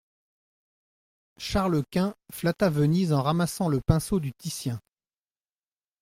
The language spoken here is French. Charles-Quint flatta Venise en ramassant le pinceau du Titien.